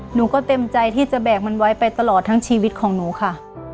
หนูก็เต็มใจที่จะแบกมันไว้ไปตลอดทั้งชีวิตของหนูค่ะ